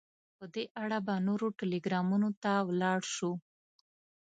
په دې اړه به نورو ټلګرامونو ته ولاړ شو.